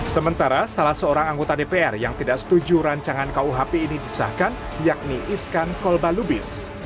sementara salah seorang anggota dpr yang tidak setuju rancangan kuhp ini disahkan yakni iskan kolbalubis